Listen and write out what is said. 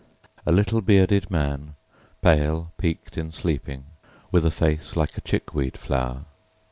A little, bearded man, pale, peaked in sleeping, With a face like a chickweed flower.